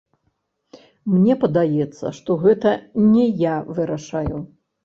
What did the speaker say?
Мне падаецца, што гэта не я вырашаю.